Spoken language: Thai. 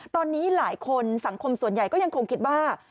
ตอนนี้หลายคนสังคมส่วนใหญ่ก็ยังคงคิดว่า